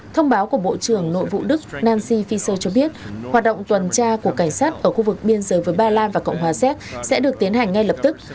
thông báo của bộ trưởng nội vụ đức nancy fiser cho biết hoạt động tuần tra của cảnh sát ở khu vực biên giới với ba lan và cộng hòa séc sẽ được tiến hành ngay lập tức